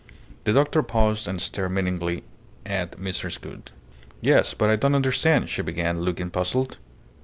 The doctor paused and stared meaningly at Mrs. Gould. "Yes. But I don't understand," she began, looking puzzled.